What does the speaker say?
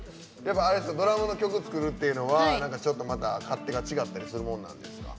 ドラマの曲を作るっていうのはちょっと勝手が違ったりするものなんですか？